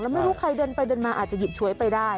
ไม่รู้ใครเดินไปเดินมาอาจจะหยิบฉวยไปได้